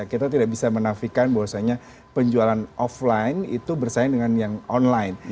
kita tidak bisa menafikan bahwasanya penjualan offline itu bersaing dengan yang online